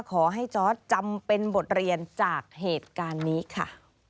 ขอให้จอร์ดจำเป็นบทเรียนจากเหตุการณ์นี้ค่ะ